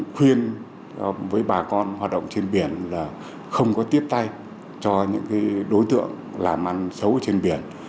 khuyên với bà con hoạt động trên biển là không có tiếp tay cho những đối tượng làm ăn xấu trên biển